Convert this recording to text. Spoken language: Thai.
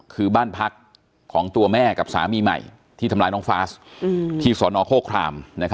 คือบ้านพักของตัวแม่กับสามีใหม่ที่ทำร้ายน้องฟาสที่สนโฆคราม